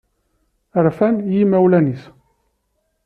Rfan yimawlan-nnes.